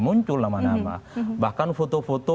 muncul nama nama bahkan foto foto